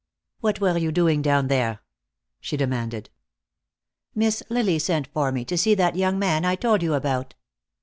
"What were you doing down there," she demanded. "Miss Lily sent for me, to see that young man I told you about."